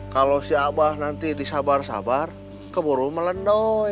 kalau si abah nanti disabar sabar keburu melendo